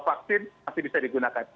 vaksin masih bisa digunakan